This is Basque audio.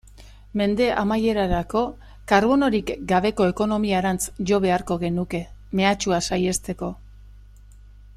Mende amaierarako karbonorik gabeko ekonomiarantz jo beharko genuke, mehatxua saihesteko.